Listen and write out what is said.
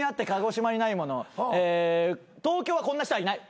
東京はこんな人はいない。